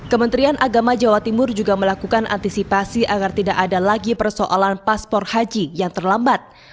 kementerian agama jawa timur juga melakukan antisipasi agar tidak ada lagi persoalan paspor haji yang terlambat